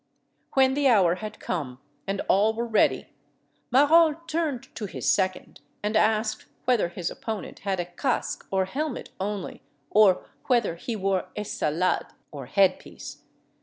When the hour had come, and all were ready, Marolles turned to his second, and asked whether his opponent had a casque or helmet only, or whether he wore a sallade, or headpiece.